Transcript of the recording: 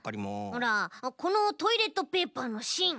ほらこのトイレットペーパーのしん。